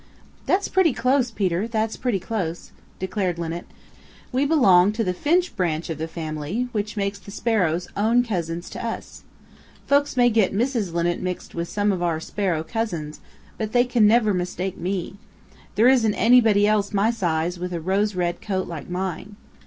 "That's pretty close, Peter. That's pretty close," declared Linnet. "We belong to the Finch branch of the family, which makes the sparrows own cousins to us. Folks may get Mrs. Linnet mixed with some of our Sparrow cousins, but they never can mistake me. There isn't anybody else my size with a rose red coat like mine.